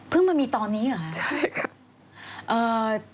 เพิ่งมามีตอนนี้เหรอใช่ค่ะ